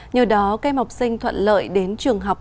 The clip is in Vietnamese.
nhờ đó các học sinh thuận lợi đến trường học tập